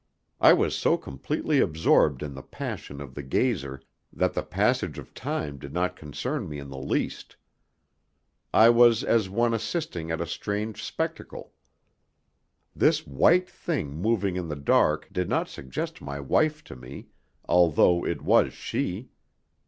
I was so completely absorbed in the passion of the gazer that the passage of time did not concern me in the least. I was as one assisting at a strange spectacle. This white thing moving in the dark did not suggest my wife to me, although it was she.